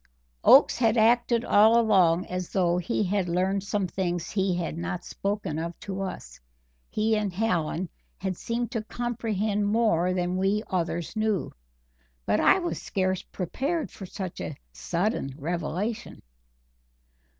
Oakes had acted all along as though he had learned some things he had not spoken of to us he and Hallen had seemed to comprehend more than we others knew; but I was scarce prepared for such a sudden revelation.